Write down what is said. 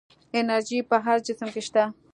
انرژي په هر جسم کې شته.